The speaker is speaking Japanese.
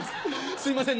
すいません